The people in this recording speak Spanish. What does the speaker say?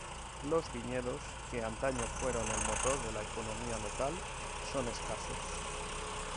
Los viñedos, que antaño fueron el motor de la economía local, son escasos.